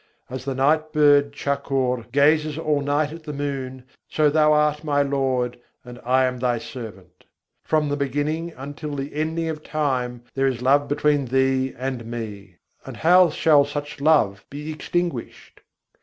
As the night bird Chakor gazes all night at the moon: so Thou art my Lord and I am Thy servant. From the beginning until the ending of time, there is love between Thee and me; and how shall such love be extinguished?